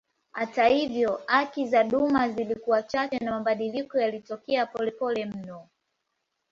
Hata hivyo haki za duma zilikuwa chache na mabadiliko yalitokea polepole mno.